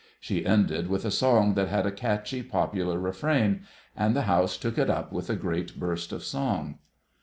She ended with a song that had a catchy, popular refrain, and the house took it up with a great burst of song.